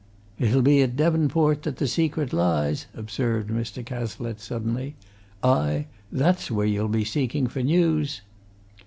"It'll be at Devonport that the secret lies," observed Mr. Cazalette suddenly. "Aye that's where you'll be seeking for news!"